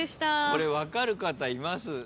これ分かる方います？